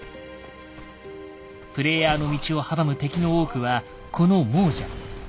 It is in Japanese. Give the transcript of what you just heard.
プレイヤーの道を阻む敵の多くはこの亡者。